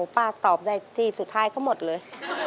ป้าตอบได้ที่สุดท้ายเขาหมดเลย